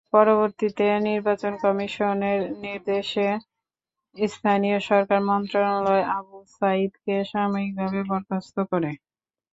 পরবর্তীতে নির্বাচন কমিশনের নির্দেশে স্থানীয় সরকার মন্ত্রণালয় আবু সাঈদকে সাময়িকভাবে বরখাস্ত করে।